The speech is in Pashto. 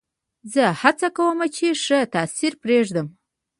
زه هڅه کوم، چي ښه تاثیر پرېږدم.